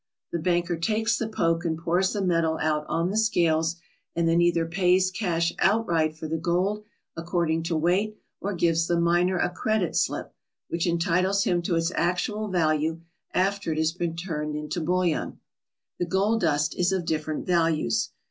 The banker takes the poke and pours the metal out on the scales, and then either pays cash outright for the gold according to weight or gives the miner a credit slip which entitles him to its actual value after it has been turned into bullion. The gold dust is of different values.